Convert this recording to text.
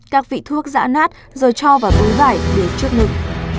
các vị thuốc dã nát rồi cho vào bối vải để trước nước